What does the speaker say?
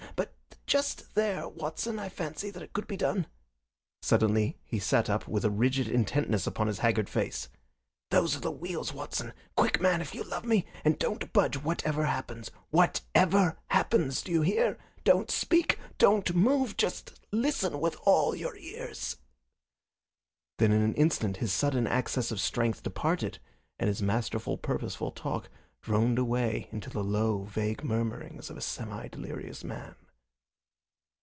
But just there, Watson, I fancy that it could be done." Suddenly he sat up with a rigid intentness upon his haggard face. "There are the wheels, Watson. Quick, man, if you love me! And don't budge, whatever happens whatever happens, do you hear? Don't speak! Don't move! Just listen with all your ears." Then in an instant his sudden access of strength departed, and his masterful, purposeful talk droned away into the low, vague murmurings of a semi delirious man.